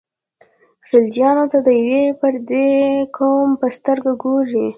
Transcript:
خلجیانو ته د یوه پردي قوم په سترګه ګوري.